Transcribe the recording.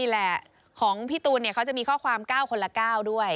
แหละของพี่ตูนเขาจะมีข้อความ๙คนละ๙ด้วย